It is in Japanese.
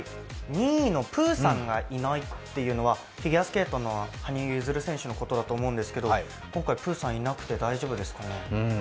２位のプーさんがいないっていうのはフィギュアスケートの羽生結弦さんのことだと思いますけれども今回、プーさんいなくて大丈夫ですかね？